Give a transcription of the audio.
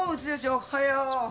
おはよう。